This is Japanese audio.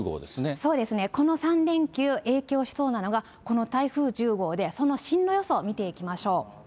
そうですね、この３連休、影響しそうなのがこの台風１０号で、その進路予想、見ていきましょう。